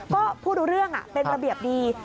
ก็พูดรู้เรื่องเป็นระเบียบดี